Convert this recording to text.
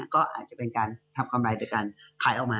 ก็อาจจะเป็นการทำกำไรโดยการขายออกมา